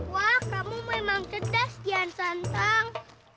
wah kamu memang cerdas jan santang